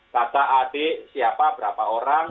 kata adik siapa berapa orang